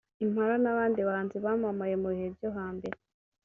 Impala n’abandi bahanzi bamamaye mu bihe byo ha mbere